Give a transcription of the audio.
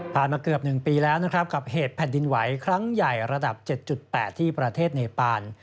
มาเกือบ๑ปีแล้วนะครับกับเหตุแผ่นดินไหวครั้งใหญ่ระดับ๗๘ที่ประเทศเนปาน